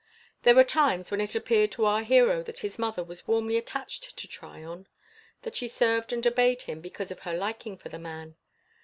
There were times when it appeared to our hero that his mother was warmly attached to Tryon, that she served and obeyed him because of her liking for the man.